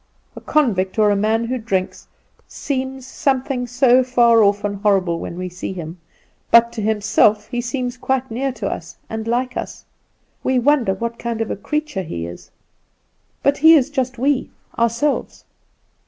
A convict, or a man who drinks, seems something so far off and horrible when we see him; but to himself he seems quite near to us, and like us. We wonder what kind of a creature he is; but he is just we, ourselves.